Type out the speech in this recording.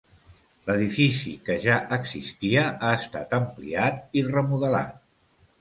L'edifici, que ja existia, ha estat ampliat i remodelat.